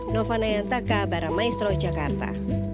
novanaya taka baramaestro jakarta